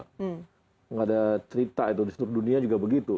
tidak ada cerita itu di seluruh dunia juga begitu